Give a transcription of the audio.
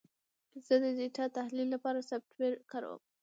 زه د ډیټا تحلیل لپاره سافټویر کاروم.